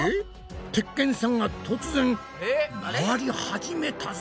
鉄拳さんが突然回り始めたぞ。